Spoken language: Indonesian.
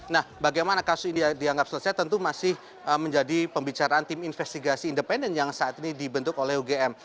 nah bagaimana kasus ini dianggap selesai tentu masih menjadi pembicaraan tim investigasi independen yang saat ini dibentuk oleh ugm